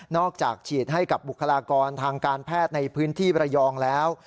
อกจากฉีดให้กับบุคลากรทางการแพทย์ในพื้นที่ประยองแล้ว